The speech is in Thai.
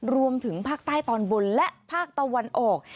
รวมถึงภาคใต้ตอนบนและภาคตะวันออก